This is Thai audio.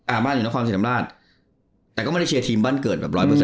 บ้านอยู่นครศรีธรรมราชแต่ก็ไม่ได้เชียร์ทีมบ้านเกิดแบบร้อยเปอร์เซ